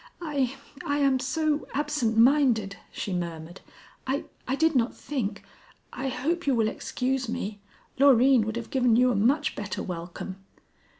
"I I am so absent minded," she murmured. "I I did not think I hope you will excuse me. Loreen would have given you a much better welcome."